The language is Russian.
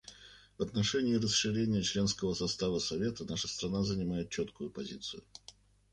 В отношении расширения членского состава Совета наша страна занимает четкую позицию.